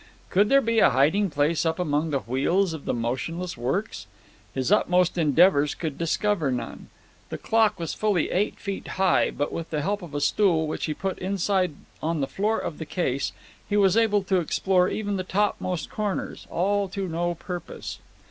Could there be a hiding place up among the wheels of the motionless works? His utmost endeavours could discover none. The clock was fully eight feet high, but with the help of a stool, which he put inside on the floor of the case, he was able to explore even the topmost corners. All to no purpose.